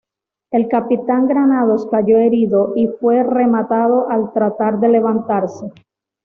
El capitán Granados cayó herido y fue rematado al tratar de levantarse.